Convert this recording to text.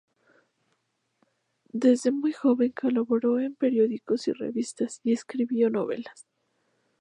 Desde muy joven colaboró en periódicos y revistas y escribió novelas.